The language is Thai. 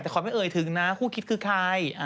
แต่ขอไม่เอ่ยถึงนะคู่คิดคือใคร